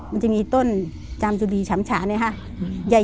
มันจะมีต้นจามจุดีฉ่ำฉาเนี่ยค่ะ